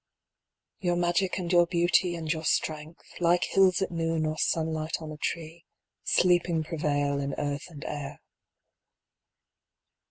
... Your magic and your beauty and your strength, Like hills at noon or sunlight on a tree, Sleeping prevail in earth and air.